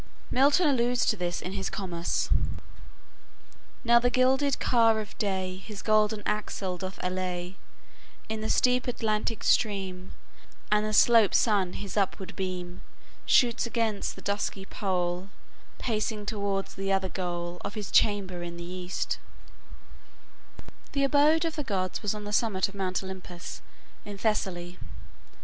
Milton alludes to this in his "Comus": "Now the gilded car of day His golden axle doth allay In the steep Atlantic stream, And the slope Sun his upward beam Shoots against the dusky pole, Pacing towards the other goal Of his chamber in the east" The abode of the gods was on the summit of Mount Olympus, in Thessaly.